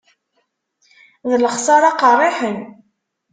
D lexsara qerriḥen.